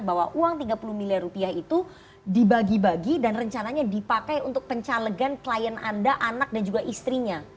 bahwa uang tiga puluh miliar rupiah itu dibagi bagi dan rencananya dipakai untuk pencalegan klien anda anak dan juga istrinya